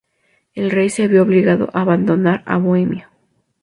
El rey se vio obligado a abandonar Bohemia.